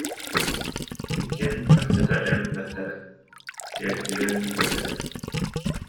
Иккиэн чахчыта эр бэртэрэ, эрдьигэн үтүөлэрэ